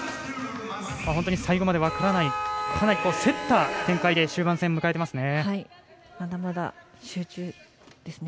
最後まで分からないかなり競った展開で終盤迎えていますね。